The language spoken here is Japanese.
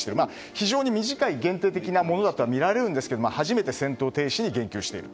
非常に短い限定的なものだとみられますが初めて戦闘停止に言及している。